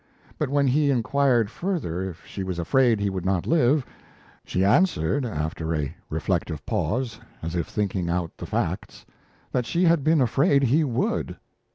But when he inquired further if she was afraid he would not live, she answered after a reflective pause as if thinking out the facts that she had been afraid he would!